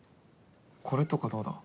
これとかどうだ？